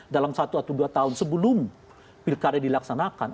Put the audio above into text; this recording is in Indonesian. dalam satu atau dua tahun sebelum pilkada dilaksanakan